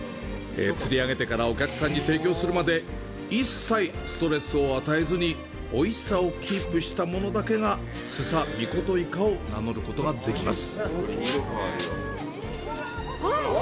釣り上げてからお客さんに提供するまで、一切ストレスを与えずにおいしさをキープしたものだけが「須佐男命イカ」を名乗れます。